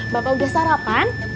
bapak udah sarapan